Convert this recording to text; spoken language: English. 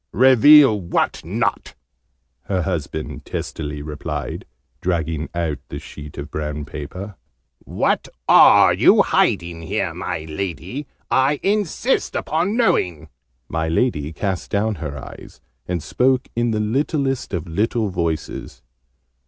"Reveal what not?" her husband testily replied, dragging out the sheet of brown paper. "What are you hiding here, my Lady? I insist upon knowing!" My Lady cast down her eyes, and spoke in the littlest of little voices.